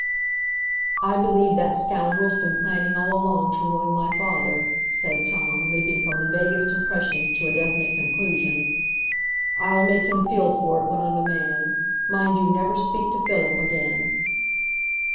"I believe that scoundrel's been planning all along to ruin my father," said Tom, leaping from the vaguest impressions to a definite conclusion. "I'll make him feel for it when I'm a man. Mind you never speak to Philip again."